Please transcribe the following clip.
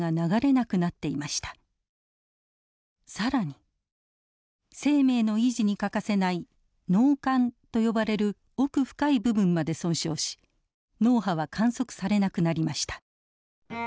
更に生命の維持に欠かせない脳幹と呼ばれる奥深い部分まで損傷し脳波は観測されなくなりました。